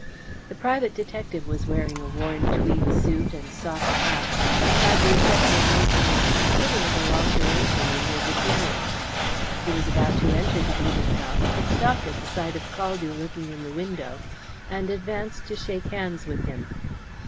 The private detective was wearing a worn tweed suit and soft hat, which had the effect of making a considerable alteration in his appearance. He was about to enter the eating house, but stopped at the sight of Caldew looking in the window, and advanced to shake hands with him.